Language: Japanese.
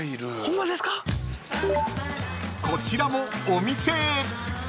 ［こちらもお店へ］